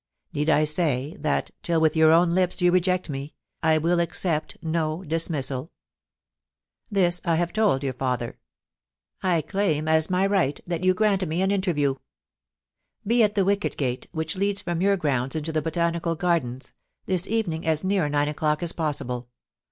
* Need I say that, till with your own lips you reject me, I will accept no dismissal ? This I have told your father. I claim as my right that you grant me an interview. *Bc at the wicket gate, which leads from your grounds into the Botanical Gardens, this evening as near nine o'clock THE TRYST BY THE BAMBOOS. 263 as possible.